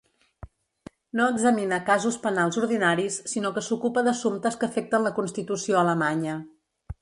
No examina casos penals ordinaris sinó que s'ocupa d'assumptes que afecten la Constitució alemanya.